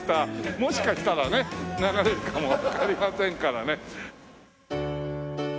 もしかしたらね流れるかもわかりませんからね。